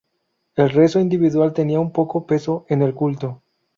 El rezo individual tenía poco peso en el culto.